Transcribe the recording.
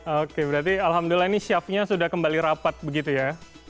oke berarti alhamdulillah ini syafnya sudah kembali rapat begitu ya